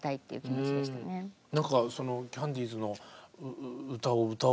何かそのキャンディーズの歌を歌おうと思った。